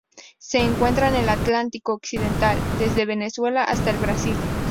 Se encuentra en el Atlántico occidental: desde Venezuela hasta el Brasil.